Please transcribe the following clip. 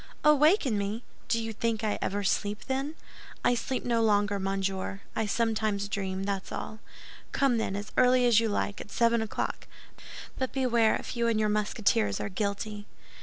"Awaken me! Do you think I ever sleep, then? I sleep no longer, monsieur. I sometimes dream, that's all. Come, then, as early as you like—at seven o'clock; but beware, if you and your Musketeers are guilty."